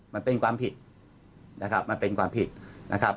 มันเป็นความผิดนะครับมันเป็นความผิดนะครับ